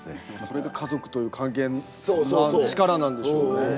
それが家族という関係の力なんでしょうね。